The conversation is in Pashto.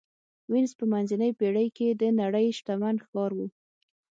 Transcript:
وینز په منځنۍ پېړۍ کې د نړۍ شتمن ښار و